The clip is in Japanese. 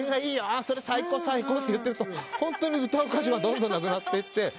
それ最高最高」と言ってるとホントに歌う箇所がどんどんなくなってって。